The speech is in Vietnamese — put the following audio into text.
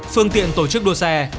phương tiện tổ chức đua xe